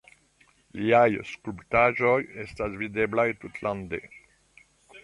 Liaj skulptaĵoj estas videblaj tutlande.